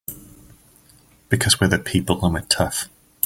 Because we're the people and we're tough!